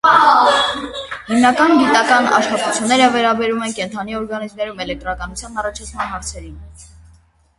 Հիմնական գիտական աշխատությունները վերաբերում են կենդանի օրգանիզմներում էլեկտրականության առաջացման հարցերին։